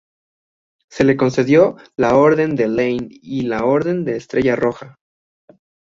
Se le concedió la Orden de Lenin y la Orden de la Estrella Roja.